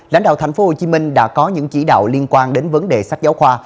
lãnh đạo tp hcm đã có những chỉ đạo liên quan đến vấn đề sách giáo khoa